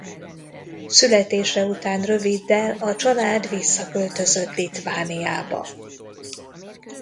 Születése után röviddel a család visszaköltözött Litvániába.